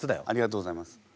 ありがとうございます。